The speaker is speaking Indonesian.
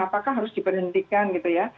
apakah harus diberhentikan gitu ya